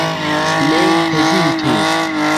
Ne hezitu.